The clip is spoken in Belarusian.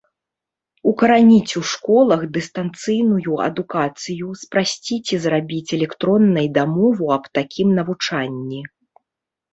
Укараніць у школах дыстанцыйную адукацыю, спрасціць і зрабіць электроннай дамову аб такім навучанні.